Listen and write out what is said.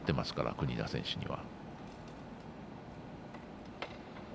国枝選手には。